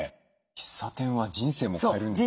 喫茶店は人生も変えるんですね。